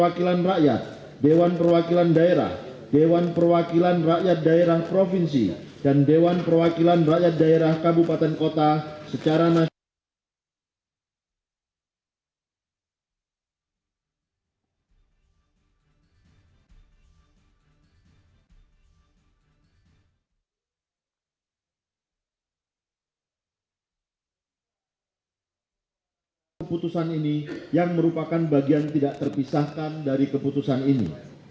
keputusan ini yang merupakan bagian tidak terpisahkan dari keputusan ini